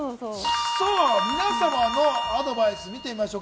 皆さまのアドバイス見てみましょう。